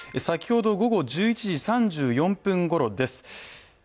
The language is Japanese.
先ほど午後１１時３４分ごろです。